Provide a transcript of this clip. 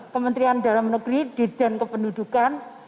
kementerian dalam negeri dirjen kependudukan